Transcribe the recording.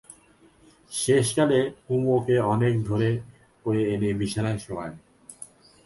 শেষকালে কুমু ওকে অনেক ধরে কয়ে এনে বিছানায় শোওয়ায়।